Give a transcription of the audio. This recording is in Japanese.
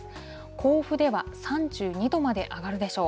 甲府では３２度まで上がるでしょう。